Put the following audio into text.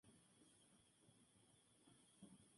En este se decidió la formación de una Junta de Gobierno.